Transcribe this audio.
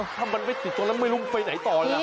ถ้ามันไม่ติดจะไม่รู้มันไปไหนต่อละ